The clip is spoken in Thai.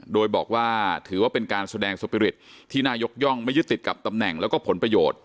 โดยบอกว่าถือว่าเป็นการแสดงสุปิริตที่น่ายกย่องไม่ยึดติดกับตำแหน่งแล้วก็ผลประโยชน์